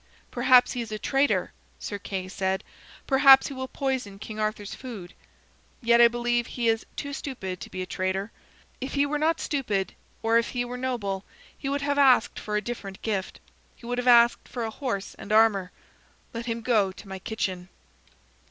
"Perhaps he is a traitor," Sir Kay said. "Perhaps he will poison King Arthur's food. Yet I believe he is too stupid to be a traitor. If he were not stupid, or if he were noble, he would have asked for a different gift. He would have asked for a horse and armor. Let him go to my kitchen."